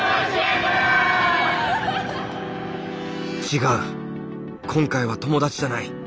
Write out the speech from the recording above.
違う今回は友達じゃない。